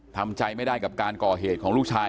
ทำใจไม่ได้กับการก่อเหตุของลูกชาย